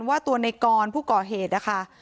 ว่าตัวในกรผู้ก่อเหตุนะคะ